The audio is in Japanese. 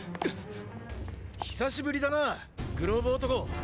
久しぶりだなグローブ男。